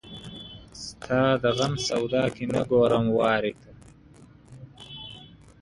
ستا د غم سودا کې نه ګورم وارې ته